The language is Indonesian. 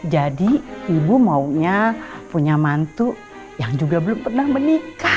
jadi ibu maunya punya mantu yang juga belum pernah menikah